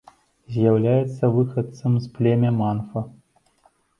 З'яўляецца выхадцам з племя манфа.